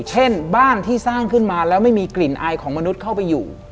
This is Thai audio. เช่นบ้านที่สร้างขึ้นมาแล้วไม่มีกลิ่นอายของมนุษย์เข้าไปอยู่